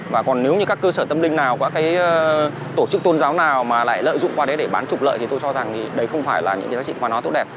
và còn nếu như các cơ sở tâm linh nào có cái tổ chức tôn giáo nào mà lại lợi dụng qua đấy để bán trục lợi thì tôi cho rằng thì đấy không phải là những cái gì họ nói tốt đẹp